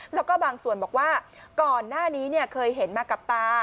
แล้วก็บางส่วนบอกว่าก่อนหน้านี้เคยเห็นมากับตา